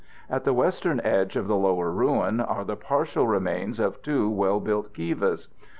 At the western edge of the lower ruin are the partial remains of two well built kivas.